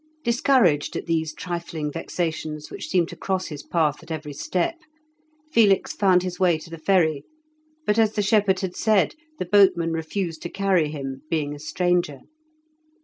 Discouraged at these trifling vexations, which seemed to cross his path at every step, Felix found his way to the ferry, but, as the shepherd had said, the boatman refused to carry him, being a stranger.